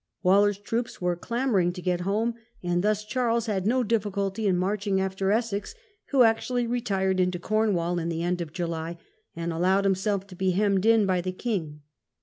Waller's troops were clamouring to get home, and thus Charles had no difficulty in marching after Essex, who actually retired into Cornwall in the end of July, and allowed himself to be hemmed in by the king.